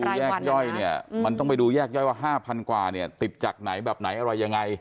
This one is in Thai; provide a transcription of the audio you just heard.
แต่ถ้าไปดูแยกย่อยมันต้องไปดูแยกย่อยว่า๕๐๐๐กว่าติดจากไหนแบบไหนอะไรยังไง